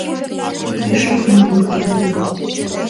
Пешак мӱндыр корнына: